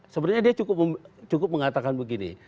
sebenarnya dia cukup mengatakan begini